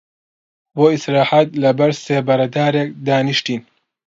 بۆ ئیستراحەت لە بەر سێبەرە دارێک دانیشتین